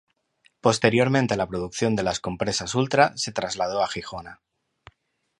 Posteriormente la producción de las compresas ultra se trasladó a Jijona.